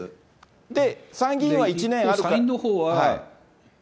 で、参議院は１年あるから。